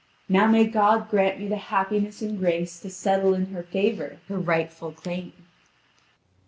Now may God grant me the happiness and grace to settle in her favour her rightful claim."